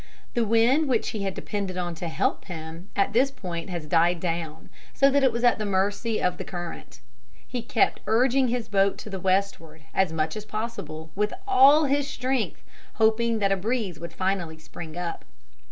The wind which he had depended on to help him at this point had died down so that it was at the mercy of the current. He kept urging his boat to the westward as much as possible, with all his strength, hoping that a breeze would finally spring up.